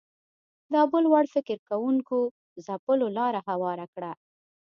دا بل وړ فکر کوونکو ځپلو لاره هواره کړه